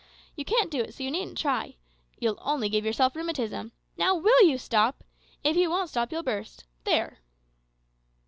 You can't do it, so you needn't try. You'll only give yourself rheumatism. Now, will you stop? If you won't stop you'll burst there."